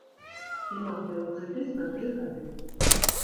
Яна ўзяла крэдыт на тры гады!